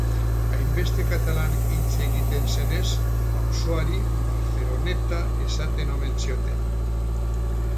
Hainbeste katalan hitz egiten zenez, auzoari Barceloneta esaten omen zioten.